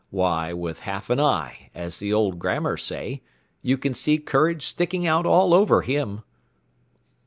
Why, 'with half an eye,' as the old grammars say, you can see courage sticking out all over him."